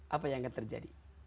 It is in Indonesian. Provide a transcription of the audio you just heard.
apa yang akan terjadi